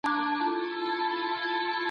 آزاد بحثونه څه ډول پایلي لري؟